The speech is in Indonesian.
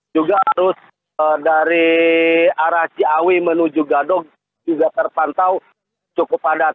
juga arus dari arah ciawi menuju gadok juga terpantau cukup padat